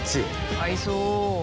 合いそう！